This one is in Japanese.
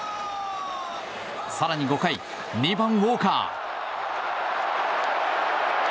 更に５回、２番ウォーカー。